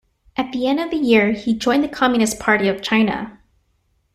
At the end of the year he joined the Communist Party of China.